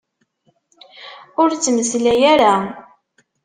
Ur ttmeslay ara!